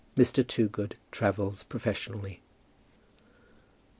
MR. TOOGOOD TRAVELS PROFESSIONALLY.